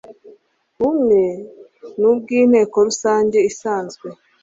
bumwe n ubw inteko rusange isanzwe